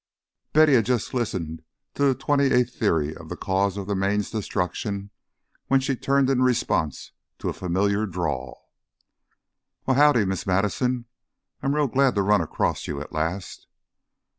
Betty had just listened to the twenty eighth theory of the cause of the Maine's destruction when she turned in response to a familiar drawl. "Why, howdy, Miss Madison, I'm real glad to run across you at last."